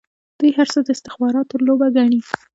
دوی هر څه د استخباراتو لوبه ګڼي.